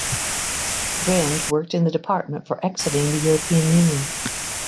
Brind worked in the Department for Exiting the European Union.